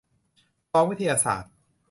ทองวิทยาศาสตร์